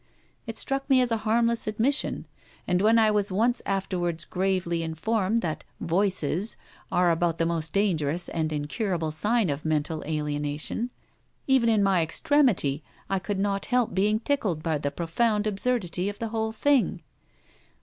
It struck me as a harmless admission; and when I was once afterwards gravely informed that 'voices' are about the most dangerous and incurable sign of mental alienation, even in my extremity I could not help being tickled by the profound absurdity of the whole thing.